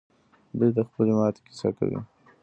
دوی د خپلې ماتې کیسه کوي.